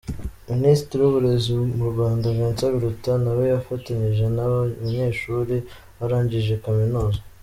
Minisitiri w’uburezi mu Rwanda Vincent Biruta nawe yifatanyije n’aba banyeshuli barangije kaminuza.